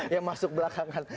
yang masuk belakangan